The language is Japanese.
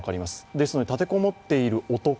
ですので、立てこもっている男